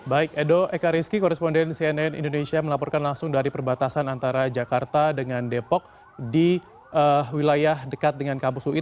baik edo eka rizky koresponden cnn indonesia melaporkan langsung dari perbatasan antara jakarta dengan depok di wilayah dekat dengan kampus ui